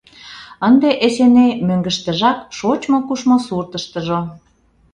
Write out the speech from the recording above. Ынде Эсеней мӧҥгыштыжак, шочмо-кушмо суртыштыжо.